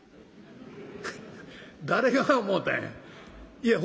「誰が思うたんや？」。